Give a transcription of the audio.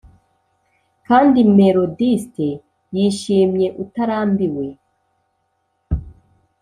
kandi, melodiste yishimye, utarambiwe,